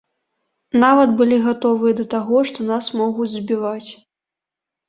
Нават былі гатовыя да таго, што нас могуць збіваць.